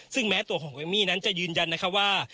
ซึ่งแม้ตัวของเอมมี่นั้นจะยืนยันนะคะว่า